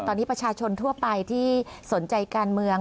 ตอนนี้ประชาชนทั่วไปที่สนใจการเมือง